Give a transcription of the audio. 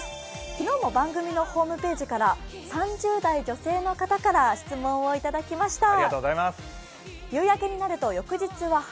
昨日も番組のホームページから３０代女性の方から質問をいただきました。